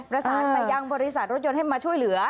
ประสานไปยังบริษัทรถยนต์ให้มาช่วยเหลือ